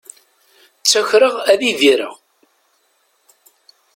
Ttakreɣ ad idireɣ.